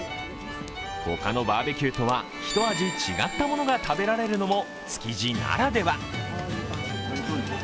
他のバーベキューとは一味違ったものが食べられるのも築地ならでは。